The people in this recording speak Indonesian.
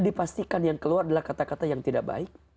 dipastikan yang keluar adalah kata kata yang tidak baik